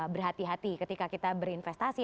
berhati hati ketika kita berinvestasi